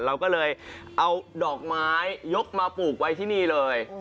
เราก็เลยเอาดอกไม้ยกมาปลูกไว้ที่นี่เลย